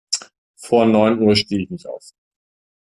Vor neun Uhr stehe ich nicht auf.